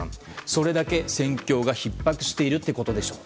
それだけ戦況がひっ迫しているということでしょう。